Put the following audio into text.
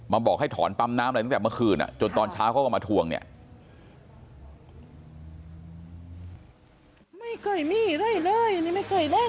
บอกให้ถอนปั๊มน้ำอะไรตั้งแต่เมื่อคืนจนตอนเช้าเขาก็มาทวงเนี่ย